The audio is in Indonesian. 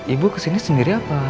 ibu kesini sendiri apa